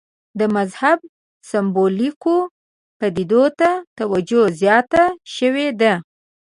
د مذهب سېمبولیکو پدیدو ته توجه زیاته شوې ده.